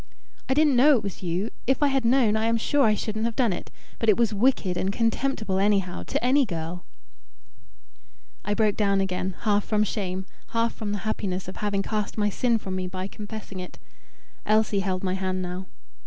"I didn't know it was you. If I had known, I am sure I shouldn't have done it. But it was wicked and contemptible anyhow, to any girl." I broke down again, half from shame, half from the happiness of having cast my sin from me by confessing it. Elsie held my hand now.